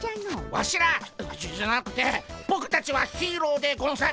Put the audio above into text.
ワシらじゃなくてぼくたちはヒーローでゴンス！